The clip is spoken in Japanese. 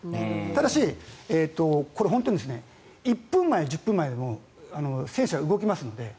ただし、本当に１分前、１０分前でも選手は動きますので。